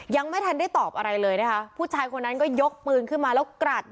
ยังไม่ทันได้ตอบอะไรเลยนะคะผู้ชายคนนั้นก็ยกปืนขึ้นมาแล้วกรัด